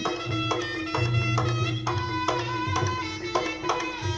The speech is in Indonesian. dalam kondisi seni jalanan